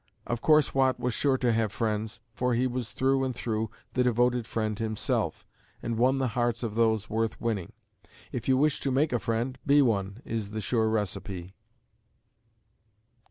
Of course Watt was sure to have friends, for he was through and through the devoted friend himself, and won the hearts of those worth winning. "If you wish to make a friend, be one," is the sure recipe.